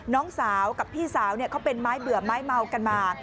น้องสาวกับพี่สาวเขาเป็นไม้เบื่อไม้เมากันมา